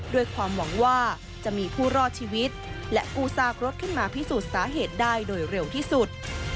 ด้วยความหวังว่าจะมีผู้รอดชีวิตและกู้ซากรถขึ้นมาพิสูจน์สาเหตุได้โดยเร็วที่สุด